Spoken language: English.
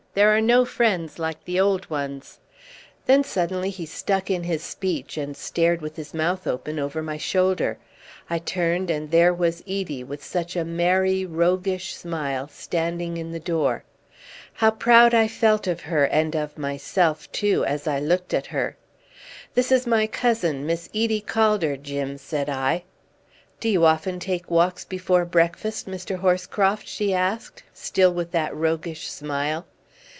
There are no friends like the old ones." Then suddenly he stuck in his speech, and stared with his mouth open over my shoulder. I turned, and there was Edie, with such a merry, roguish smile, standing in the door. How proud I felt of her, and of myself too, as I looked at her! "This is my cousin, Miss Edie Calder, Jim," said I. "Do you often take walks before breakfast, Mr. Horscroft?" she asked, still with that roguish smile.